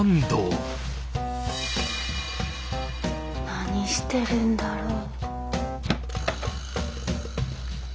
何してるんだろう。